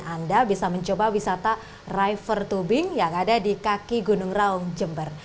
anda bisa mencoba wisata river tubing yang ada di kaki gunung raung jember